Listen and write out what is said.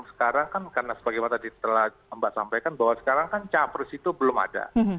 sekarang kan karena sebagaimana tadi telah mbak sampaikan bahwa sekarang kan capres itu belum ada